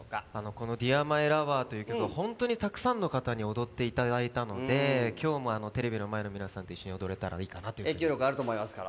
この「ＤＥＡＲＭＹＬＯＶＥＲ」という曲は本当にたくさんの方に踊っていただいたので、今日もテレビの前の皆さんと一緒に踊れたらなと思います。